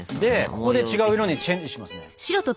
ここで違う色にチェンジしますね。